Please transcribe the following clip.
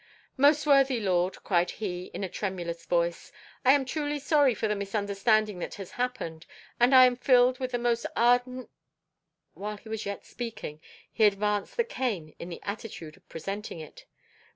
"Most worthy lord," cried he in a tremulous voice, "I am truly sorry for the misunderstanding that has happened, and I am filled with the most ardent" While he was yet speaking he advanced the cane in the attitude of presenting it.